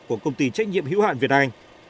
của công ty trách nhiệm hữu hạn việt anh